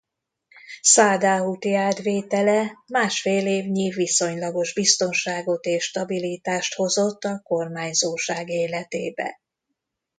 Szaada húti átvétele másfél évnyi viszonylagos biztonságot és stabilitást hozott a kormányzóság életébe.